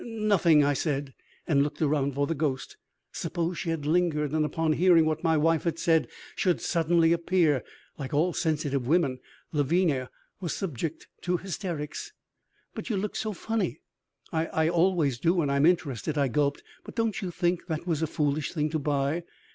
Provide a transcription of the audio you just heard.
"Nothing," I said, and looked around for the ghost. Suppose she had lingered, and upon hearing what my wife had said should suddenly appear Like all sensitive women, Lavinia was subject to hysterics. "But you looked so funny " "I I always do when I'm interested," I gulped. "But don't you think that was a foolish thing to buy?"